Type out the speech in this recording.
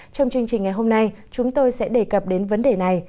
trong chương trình ngày hôm nay chúng tôi sẽ đề cập đến vấn đề này